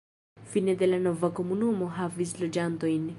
Fine de la nova komunumo havis loĝantojn.